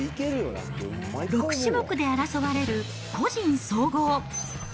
６種目で争われる個人総合。